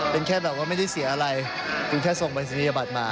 เป็นแค่แบบว่าไม่ได้เสียอะไรเพียงแค่ส่งปริศนียบัตรมา